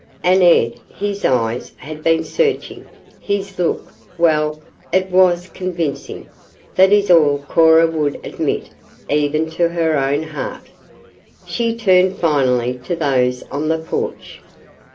And Ed his eyes had been searching, his look well, it was convincing, that is all Cora would admit even to her own heart. She turned finally to those on the porch.